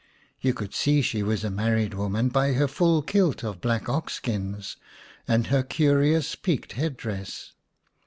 You could see she was a married woman by her full kilt of black ox skins and her curious peaked headdress.